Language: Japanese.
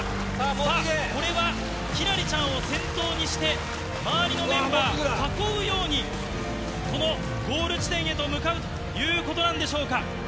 さあ、これは輝星ちゃんを先頭にして、周りのメンバー囲うように、このゴール地点へと向かうということなんでしょうか。